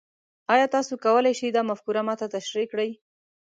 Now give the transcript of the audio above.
ایا تاسو کولی شئ دا مفکوره ما ته تشریح کړئ؟